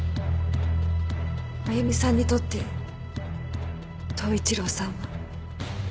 繭美さんにとって統一郎さんは。